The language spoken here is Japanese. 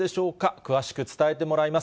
詳しく伝えてもらいます。